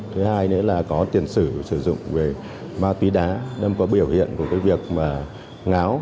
thứ hai nữa là có tiền sử sử dụng về ma túy đá đâm có biểu hiện của cái việc mà ngáo